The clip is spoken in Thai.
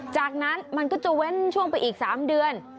จากนั้นมันก็จะเว้นช่วงไปอีก๓เดือน